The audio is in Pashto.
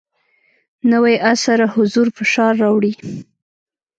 نوی عصر حضور فشار راوړی.